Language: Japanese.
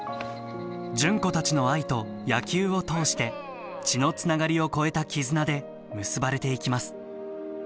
純子たちの愛と野球を通して血のつながりを超えた絆で結ばれていきます。